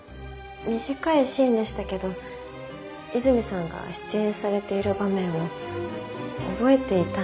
短いシーンでしたけど泉さんが出演されている場面を覚えていたんです。